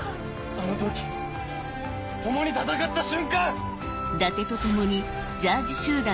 あの時共に戦った瞬間！